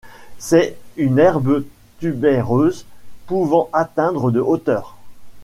C'est une herbe tubéreuse pouvant atteindre de hauteur.